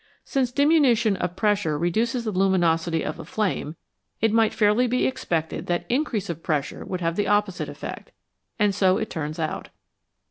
Since diminution of pressure reduces the luminosity of a flame, it might fairly be expected that increase of presMire would have the opposite effect ; and so it turns out.